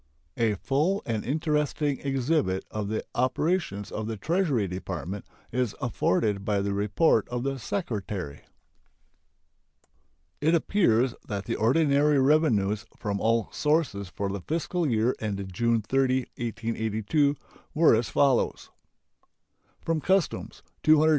A full and interesting exhibit of the operations of the Treasury Department is afforded by the report of the Secretary. It appears that the ordinary revenues from all sources for the fiscal year ended June 30, 1882, were as follows: From customs $220,410,730.